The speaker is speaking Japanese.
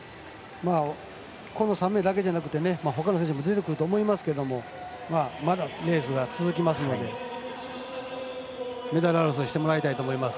この３名だけじゃなくてほかの選手も出てくると思いますけどまだ、レースが続きますのでメダル争いしてもらいたいと思います。